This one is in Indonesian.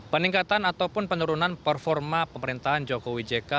peningkatan ataupun penurunan performa pemerintahan jokowi jk